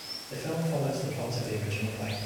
The film follows the plot of the original play.